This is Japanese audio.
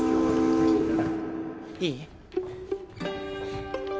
いい？